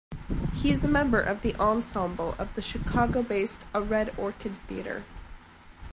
He is a member of the ensemble of the Chicago-based A Red Orchid Theatre.